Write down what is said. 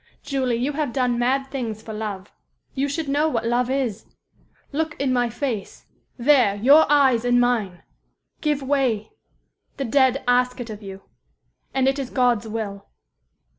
Julie, you have done mad things for love you should know what love is. Look in my face there your eyes in mine! Give way! The dead ask it of you and it is God's will."